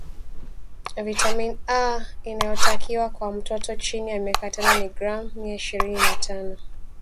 vitamini A inayotakiwa kwa mtoto chini ya miaka tano ni gram mia ishirini na tano